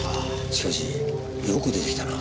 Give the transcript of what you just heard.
しかしよく出てきたな。